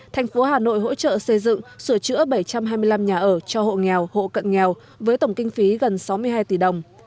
thành phố hà nội hỗ trợ xây dựng sửa chữa bảy trăm hai mươi năm nhà ở cho hộ nghèo hộ cận nghèo với tổng kinh phí gần sáu mươi hai tỷ đồng